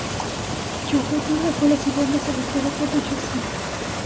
Jojutla fue la ciudad más afectada por dicho sismo.